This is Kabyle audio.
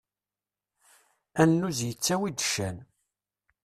Annuz yettawi-d ccan.